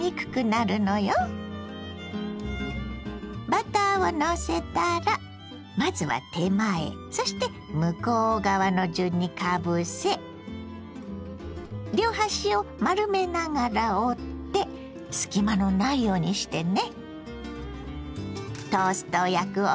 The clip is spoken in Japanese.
バターをのせたらまずは手前そして向こう側の順にかぶせ両端を丸めながら折って隙間のないようにしてね。